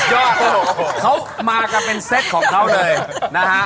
สุดยอดนะเขามากับเป็นเซ็ตของเขาหน่อยนะฮะ